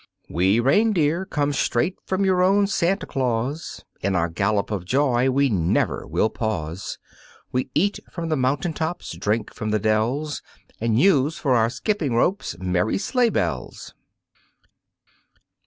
"We reindeer come straight from your own Santa Claus, In our gallop of joy we never will pause; We eat from the mountain tops, drink from the dells, And use for our skipping ropes merry sleigh bells."